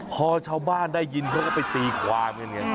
พอชาวบ้านได้ยินเขาก็ไปตีความกันไง